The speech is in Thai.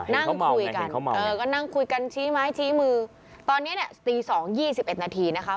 นั่งคุยกันนั่งคุยกันชี้ไม้ชี้มือตอนเนี่ยเนี่ยสี่สองยี่สิบแปดนาทีนะคะ